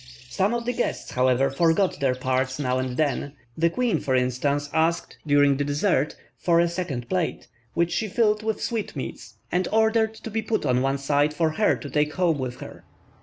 Some of the guests, however, forgot their parts now and then: the queen, for instance, asked, during the dessert, for a second plate, which she filled with sweetmeats, and ordered to be put on one side for her to take home with her.